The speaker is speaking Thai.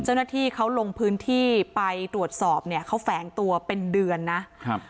เจ้าหน้าที่เขาลงพื้นที่ไปตรวจสอบเนี่ยเขาแฝงตัวเป็นเดือนนะครับ